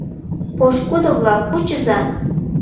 Пошкудо-влак, кучыза!